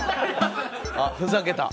あっふざけた。